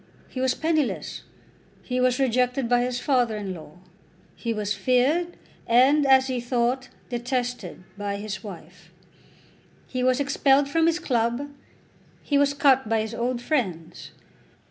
He was penniless. He was rejected by his father in law. He was feared, and, as he thought, detested by his wife. He was expelled from his club. He was cut by his old friends.